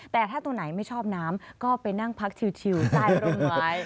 แต่ถ้าตัวไหนไม่ชอบน้ำก็ไปนั่งพักชิวใต้ร่มไว้